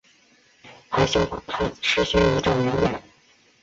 还仿效太子石宣仪仗游猎。